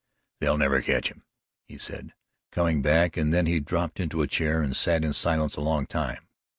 "They'll never ketch him," he said, coming back, and then he dropped into a chair and sat in silence a long time.